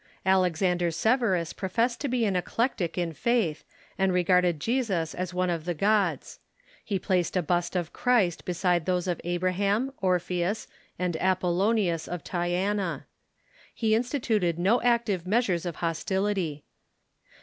Alexander Severus professed to be an Eclectic in faith, and regarded Jesus as one of the gods. He placed a bust of Christ beside those of Abraham, Orpheus, and Apollonius of Tyana. He instituted no active measures of hostility.